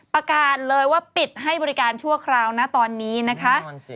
ประกาศเลยว่าปิดให้บริการชั่วคราวนะตอนนี้นะคะ